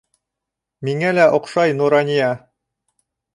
Миңә лә оҡшай Нурания.